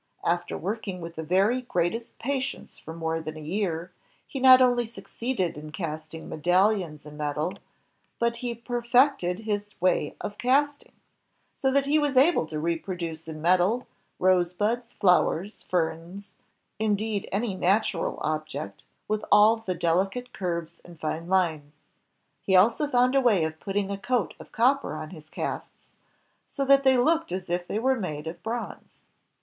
After working with the very greatest patience for more than a year, he not only succeeded in casting medallions in metal, but he perfected BESSEMER BUYING UEDALUONS VROU HENRY BESSEMER 1 69 his way of casting, so that he was able to reproduce in metal, rosebuds, flowers, ferns, — indeed any natural object, — with all the delicate curves and fine lines. He also found a way of putting a coat of. copper on his casts, so that they looked as if they were made of bronze.